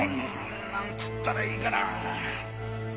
なんつったらいいかな。